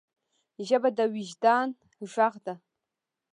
ژبه د وجدان ږغ ده.